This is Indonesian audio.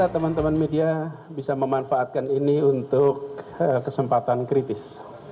teman teman media bisa memanfaatkan ini untuk kesempatan kritis